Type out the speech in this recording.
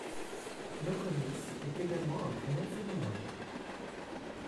Nokomis est également un prénom féminin.